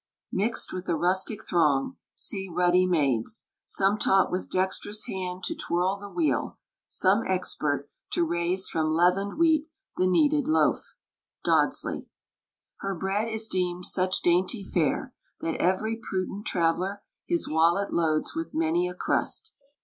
Mixt with the rustic throng, see ruddy maids, Some taught with dextrous hand to twirl the wheel, Some expert To raise from leavened wheat the kneaded loaf. DODSLEY. Her bread is deemed such dainty fare, That ev'ry prudent traveller His wallet loads with many a crust.